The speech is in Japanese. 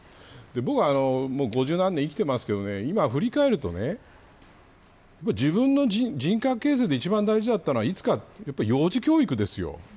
僕は５０何年生きていますが今振り返ると自分の人格形成で一番大事だったのはいつか、幼児教育ですよ。